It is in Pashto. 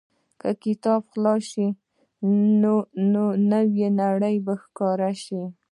که کتاب خلاص شي، نو نوې نړۍ به ښکاره شي.